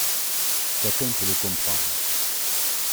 Chacun peut le comprendre.